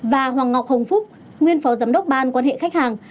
và hoàng ngọc hồng phúc nguyên phó giám đốc ban quan hệ khách hàng